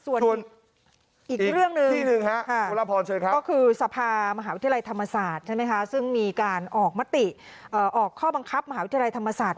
ส่วนอีกเรื่องหนึ่งครับก็คือสภามหาวิทยาลัยธรรมศาสตร์ซึ่งมีการออกข้อบังคับมหาวิทยาลัยธรรมศาสตร์